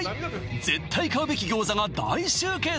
絶対買うべき餃子が大集結！